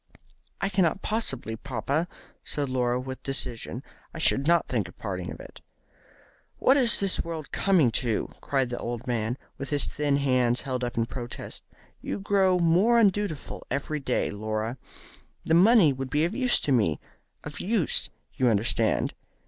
"I cannot possibly, papa," said Laura, with decision. "I should not think of parting with it." "What is the world coming to?" cried the old man, with his thin hands held up in protest. "You grow more undutiful every day, Laura. This money would be of use to me of use, you understand.